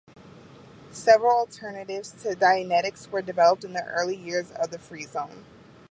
Several alternatives to Dianetics were developed in the early years of the Free Zone.